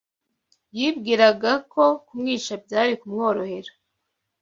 Yibwiraga ko kumwica byari kumworohera